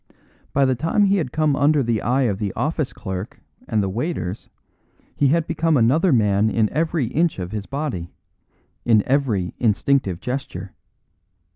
By the time he had come under the eye of the office clerk and the waiters he had become another man in every inch of his body, in every instinctive gesture.